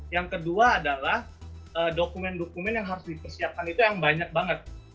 yang kedua adalah dokumen dokumen yang harus dipersiapkan itu yang banyak banget